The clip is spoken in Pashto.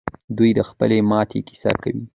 دوی د خپلې ماتې کیسه کوي.